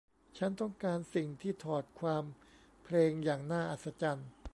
ฉันต้องการสิ่งที่ถอดความเพลงอย่างน่าอัศจรรย์